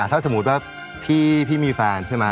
ถ้าสมมุติว่าพี่มีแฟนใช่ไหม